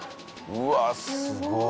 うわっすごい。